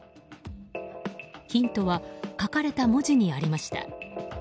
ヒントは書かれた文字にありました。